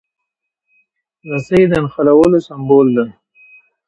رسۍ د نښلولو سمبول ده.